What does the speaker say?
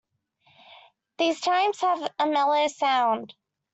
These chimes have a mellow sound.